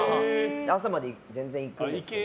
朝まで全然いくんですけど。